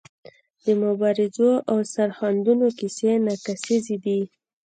د مبارزو او سرښندنو کیسې ناکیسیزې دي.